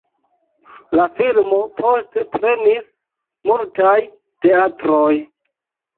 La filmo poste prenis multaj teatroj.